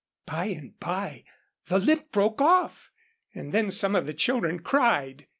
Bye and bye, the lip broke off, and then some of the children cried.